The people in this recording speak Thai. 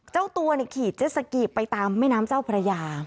เจ้าตัวขี่เจ็ดสกีไปตามแม่น้ำเจ้าพระยา